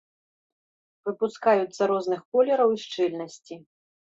Выпускаюцца розных колераў і шчыльнасці.